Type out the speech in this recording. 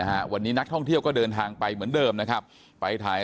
ฮะวันนี้นักท่องเที่ยวก็เดินทางไปเหมือนเดิมนะครับไปถ่าย